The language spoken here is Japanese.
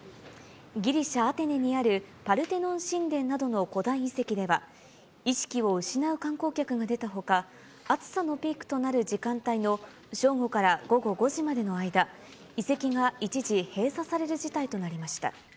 ギリシャ・アテネにあるパルテノン神殿などの古代遺跡では、意識を失う観光客が出たほか、暑さのピークとなる時間帯の正午から午後５時までの間、遺跡が一時閉鎖される事態となりました。